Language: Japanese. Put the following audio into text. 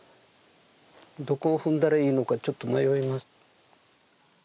どこを踏んだらいいのか、ちょっと迷います。